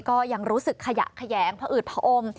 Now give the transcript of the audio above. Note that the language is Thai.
ก็ยังรู้สึกขยะแขยงพออืดผอม